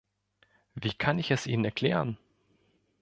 Wie kann ich es Ihnen erklären?